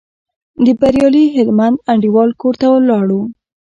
د بریالي هلمند انډیوال کور ته ولاړو.